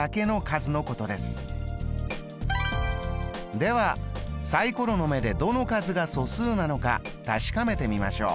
ではサイコロの目でどの数が素数なのか確かめてみましょう。